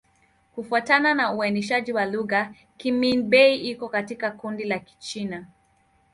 Kufuatana na uainishaji wa lugha, Kimin-Bei iko katika kundi la Kichina.